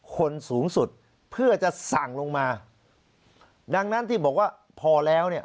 คนสูงสุดเพื่อจะสั่งลงมาดังนั้นที่บอกว่าพอแล้วเนี่ย